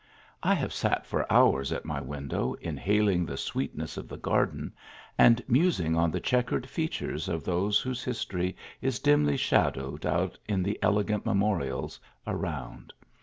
I have sat for hours at my window inhaling the sweetness of the garden, and musing on the che quered features of those whose history is ^vrly shadowed out in the elegant memorials aiound.